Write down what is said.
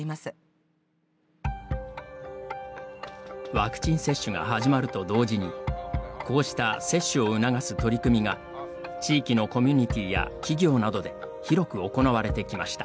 ワクチン接種が始まると同時にこうした接種を促す取り組みが地域のコミュニティーや企業などで広く行われてきました。